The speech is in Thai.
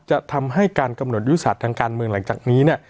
จะทำให้การกำหนดยุทธศาสตร์ทางการเมืองหลังจากนี้เนี่ย